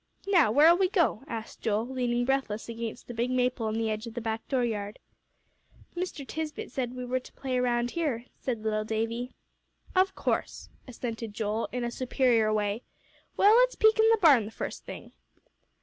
"Now where'll we go?" asked Joel, leaning breathless against the big maple on the edge of the back dooryard. "Mr. Tisbett said we were to play round here," said little Davie. "Of course," assented Joel, in a superior way "Well, let's peek in th' barn the first thing."